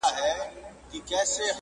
تا خو جهاني د سباوون په تمه ستړي کړو٫